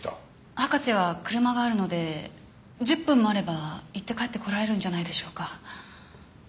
博士は車があるので１０分もあれば行って帰ってこられるんじゃないでしょうか。